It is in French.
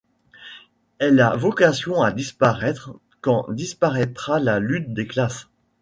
Elle a vocation à disparaître quand disparaîtra la lutte des classes.